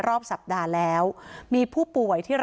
ก็จะสั่งปิดทันทีโดยไม่มีขอแม้เหมือนกันค่ะ